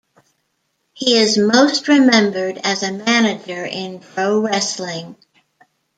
He is most remembered as a manager in pro wrestling.